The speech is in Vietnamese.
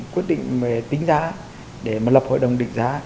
quyết định về tính giá để mà lập hội đồng định giá